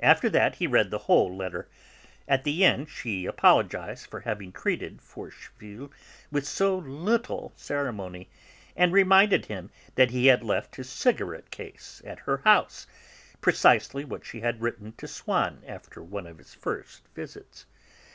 After that he read the whole letter; at the end she apologised for having treated Forcheville with so little ceremony, and reminded him that he had left his cigarette case at her house, precisely what she had written to Swann after one of his first visits.